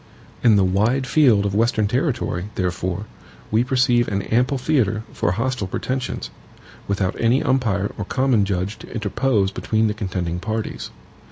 In the wide field of Western territory, therefore, we perceive an ample theatre for hostile pretensions, without any umpire or common judge to interpose between the contending parties.